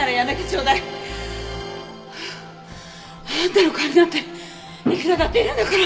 あなたの代わりなんていくらだっているんだから。